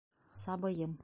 Сабыйым...